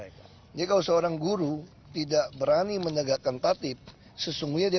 jadi kalau seorang guru tidak berani menegakkan tatib sesungguhnya dia akan dikeluarkan